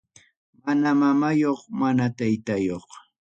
Mana mamayuq mana taytayuq.